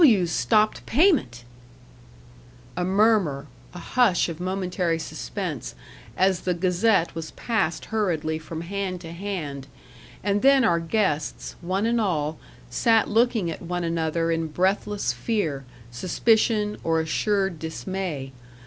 "W 's stopped payment!" A murmur a hush of momentary suspense, as the Gazette was passed hurriedly from hand to hand; and then our guests, one and all, sat looking at one another in breathless fear, suspicion, or assured dismay.